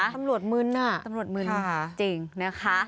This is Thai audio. ตำรวจมื้นอ่ะจริงนะคะตำรวจมื้น